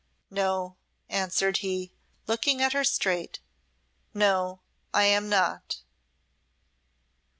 "No," answered he, looking at her straight. "No, I am not."